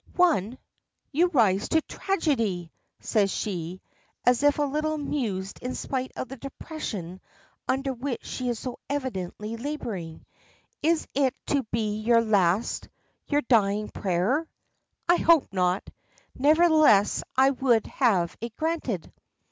"One! You rise to tragedy!" says she, as if a little amused in spite of the depression under which she is so evidently laboring. "Is it to be your last, your dying prayer?" "I hope not. Nevertheless I would have it granted."